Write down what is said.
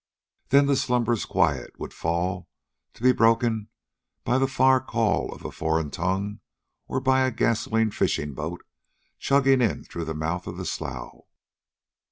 Then the slumbrous quiet would fall, to be broken by the far call of a foreign tongue or by a gasoline fishing boat chugging in through the mouth of the slough.